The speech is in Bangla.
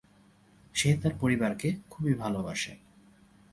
সে তার পরিবারকে খুবই ভালোবাসে।